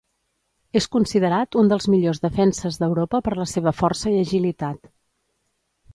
És considerat un dels millors defenses d'Europa per la seva força i agilitat.